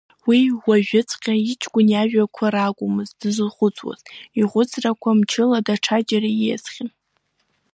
Уи уажәыҵәҟьа иҷкәын иажәақәа ракәмызт дзызхәыцуаз, ихәыцрақәа мчыла даҽа џьара ииасхьан.